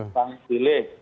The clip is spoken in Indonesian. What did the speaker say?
tidak ada pilih